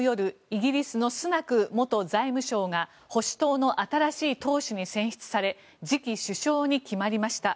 イギリスのスナク元財務相が保守党の新しい党首に選出され次期首相に決まりました。